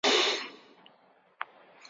以卢汝弼代为副使。